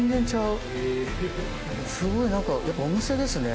すごい何かやっぱお店ですね